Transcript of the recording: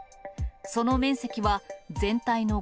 その面積は、全体の５６％。